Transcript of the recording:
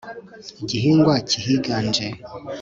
igihingwa kihiganje